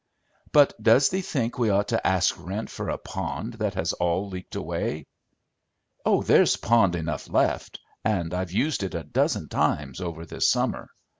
"But does thee think we ought to ask rent for a pond that has all leaked away?" "Oh, there's pond enough left, and I've used it a dozen times over this summer.